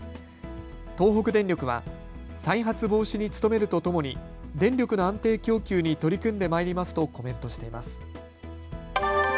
東北電力は再発防止に努めるとともに電力の安定供給に取り組んでまいりますとコメントしています。